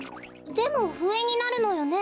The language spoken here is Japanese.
でもふえになるのよね。